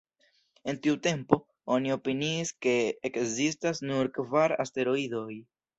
En tiu tempo, oni opiniis ke ekzistas nur kvar asteroidoj.